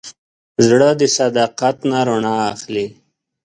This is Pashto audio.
زړه د صداقت نه رڼا اخلي.